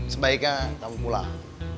sebaiknya tamu pulang